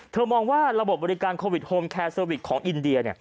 มองว่าระบบบริการโควิดโฮมแคร์เซอร์วิสของอินเดีย